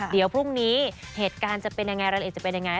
เดี๋ยวพรุ่งนี้เหตุการณ์จะเป็นยังไงรายละเอียดจะเป็นยังไง